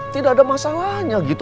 tidak ada masalahnya gitu